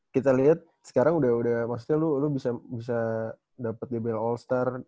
kita lihat sekarang udah maksudnya lu bisa dapet bbl all star